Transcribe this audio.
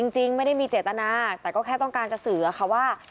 จริงไม่ได้มีเจตนาแต่ก็แค่ต้องการจะสื่อค่ะว่า